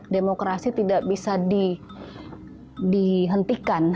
demokrasi tidak bisa dihentikan